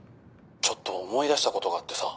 「ちょっと思い出した事があってさ」